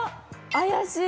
怪しい！